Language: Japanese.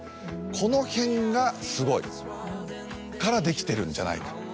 このへんがすごいからできてるんじゃないか。